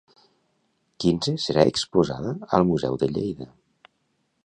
XV serà exposada al Museu de Lleida.